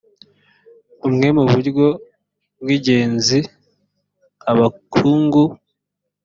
bumwe mu buryo bw ingenzi abahungu